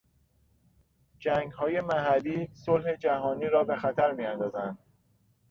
جنگهای محلی صلح جهانی را به خطر میاندازند.